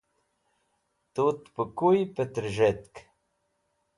Tut pẽ kuy petrz̃htk?